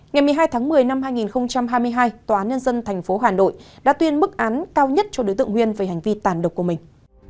ngày một mươi hai tháng một mươi năm hai nghìn hai mươi hai tòa án nhân dân tp hà nội đã tuyên mức án cao nhất cho đối tượng huyên về hành vi tàn độc của mình